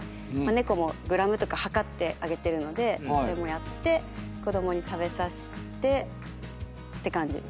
猫もグラムとか量ってあげてるのでそれもやって子供に食べさしてって感じです。